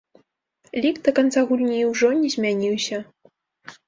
Лік да канца гульні ўжо не змяніўся.